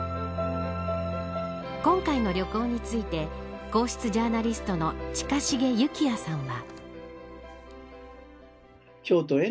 今回の旅行について皇室ジャーナリストの近重幸哉さんは。